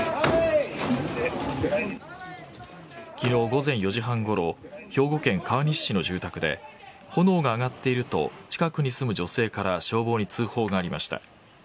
昨日、午前４時半ごろ兵庫県川西市の住宅で炎が上がっていると近くに住む女性から消防に通報がありました。